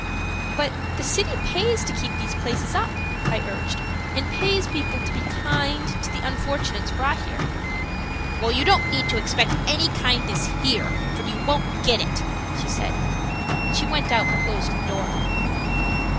"But the city pays to keep these places up," I urged, "and pays people to be kind to the unfortunates brought here." "Well, you don't need to expect any kindness here, for you won't get it," she said, and she went out and closed the door.